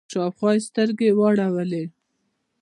شاوخوا يې سترګې واړولې.